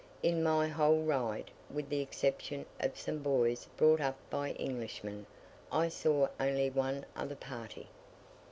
In my whole ride, with the exception of some boys brought up by Englishmen, I saw only one other party.